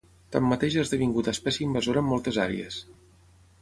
Tanmateix ha esdevingut espècie invasora en moltes àrees.